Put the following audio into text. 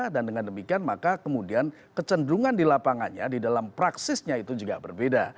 dan dengan demikian maka kemudian kecenderungan di lapangannya di dalam praksisnya itu juga berbeda